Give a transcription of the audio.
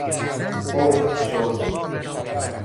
اخت شد